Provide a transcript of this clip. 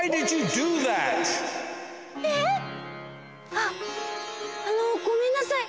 あっあのごめんなさい。